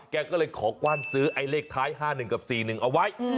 แกก็เลยขอกว้านซื้อไอ้เลขท้าย๕๑กับ๔๑เอาไว้